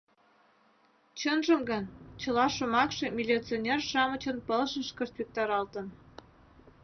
Чынжым гын, чыла шомакше милиционер-шамычын пылышышкышт виктаралтын.